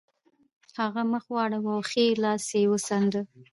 هغه مخ واړاوه او ښی لاس یې وڅانډه